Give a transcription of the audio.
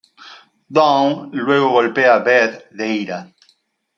Dawn luego golpea a Beth de ira.